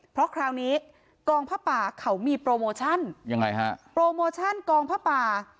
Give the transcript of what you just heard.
เพราะคราวนี้กองผ้าป่าเขามีโปรโมชั่นยังไงฮะโปรโมชั่นกองผ้าป่า